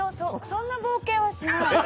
そんな冒険はしない！